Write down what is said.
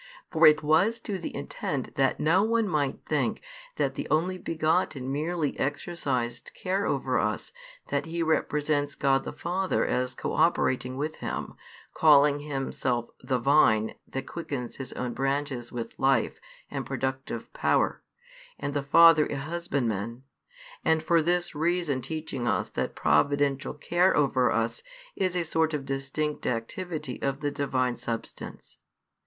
For it was to the intent that no one might think that the Only begotten merely exercised care over us that He represents God the Father as co operating with Him, calling Himself the Vine that quickens His own branches with life and productive power, and the Father a Husbandman, and for this reason teaching us that providential care over us is a sort of distinct activity of the Divine Substance.